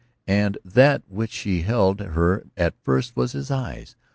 And that which had held her at first was his eyes.